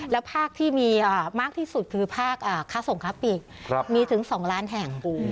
แล้วภาคที่มีมากที่สุดคือภาคค้าส่งค้าปิกมีถึง๒ล้านแห่ง